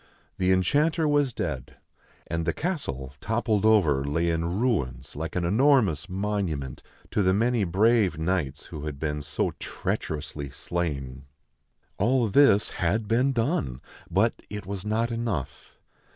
The enchanter was dead ; and the castle, toppled over, lay in ruins like an enormous monument to the many brave knights who had been so treacherously slain. All this had been done, but it was not enough.